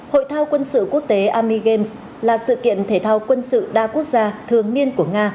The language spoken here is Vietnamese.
hội thao quân sự quốc tế army games là sự kiện thể thao quân sự đa quốc gia thường niên của nga